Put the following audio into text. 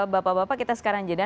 bapak bapak kita sekarang jeda